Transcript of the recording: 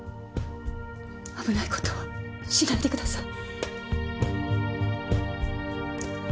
危ない事をしないでください。